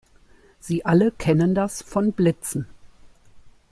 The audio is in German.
Sie alle kennen das von Blitzen.